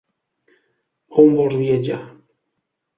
A on vols viatjar?